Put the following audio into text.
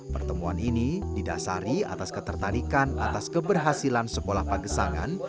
pertemuan ini didasari atas ketertarikan atas keberhasilan sekolah pagesangan